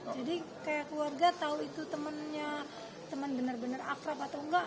jadi kayak keluarga tahu itu temannya teman benar benar akrab atau enggak keluarga nggak tahu